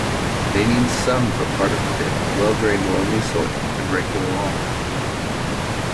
They need sun for part of the day, well-drained loamy soil and regular water.